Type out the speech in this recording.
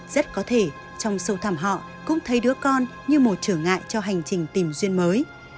rất có thể trong sâu thẳm họ cũng thấy đứa con như một trở ngại cho hành trình tìm duyên mới